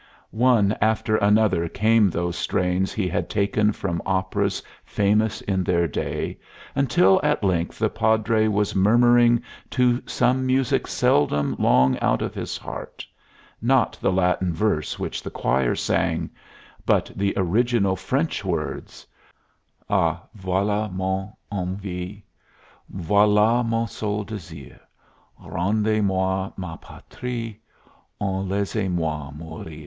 One after another came these strains he had taken from operas famous in their day, until at length the Padre was murmuring to some music seldom long out of his heart not the Latin verse which the choir sang, but the original French words: "Ah, voile man envie, Voila mon seul desir: Rendez moi ma patrie, Ou laissez moi mourir."